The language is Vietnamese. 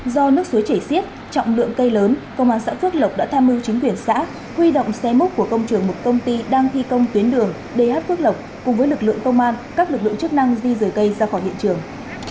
do nước suối chảy xiết trọng lượng cây lớn công an xã phước lộc đã tham mưu chính quyền xã huy động xe múc của công trường một công ty đang thi công tuyến đường dh phước lộc cùng với lực lượng công an các lực lượng chức năng di rời cây ra khỏi hiện trường